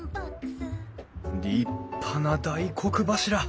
立派な大黒柱。